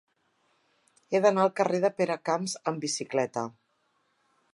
He d'anar al carrer de Peracamps amb bicicleta.